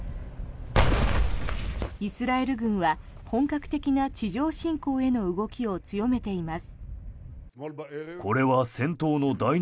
イスラエル軍は本格的な地上侵攻への動きを強めています。